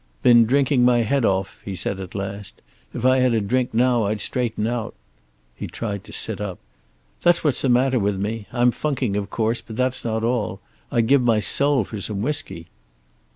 "Been drinking my head off," he said at last. "If I had a drink now I'd straighten out." He tried to sit up. "That's what's the matter with me. I'm funking, of course, but that's not all. I'd give my soul for some whisky."'